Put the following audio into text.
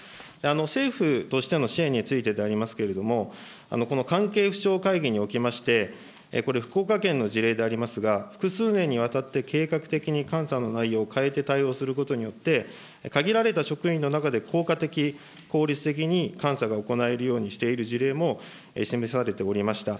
政府としての支援についてでありますけれども、この関係府省会議におきまして、これ、福岡県の事例でありますが、複数年にわたって計画的に監査の内容を変えて対応することによって、限られた職員の中で効果的、効率的に監査が行えるようにしている事例も示されておりました。